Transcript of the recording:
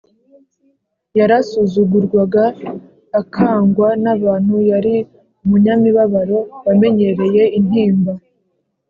‘yarasuzugurwaga akangwa n’abantu, yari umunyamibabaro wamenyereye intimba